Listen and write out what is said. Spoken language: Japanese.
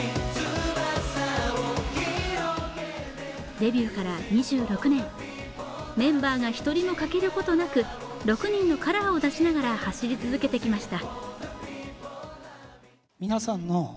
デビューから２６年、メンバーが１人も欠けることなく６人のカラーを出しながら走り続けてきました。